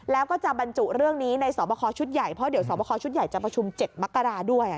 แล้วก็จะบรรจุเรื่องนี้ในสอบคอชุดใหญ่เพราะเดี๋ยวสอบคอชุดใหญ่จะประชุม๗มกราด้วย